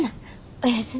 おやすみ。